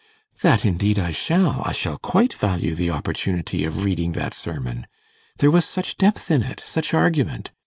'That indeed I shall. I shall quite value the opportunity of reading that sermon. There was such depth in it! such argument!